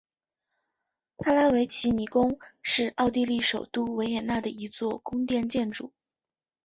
帕拉维奇尼宫是奥地利首都维也纳的一座宫殿建筑。